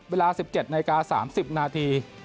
เวลา๑๗นาฬิกา๓๐นาที